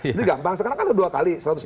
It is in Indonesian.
jadi gampang sekarang kan ada dua kali